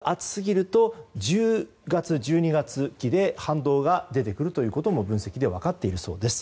夏が暑すぎると１０月１２月期で反動が出てくるということも分析で分かっているそうです。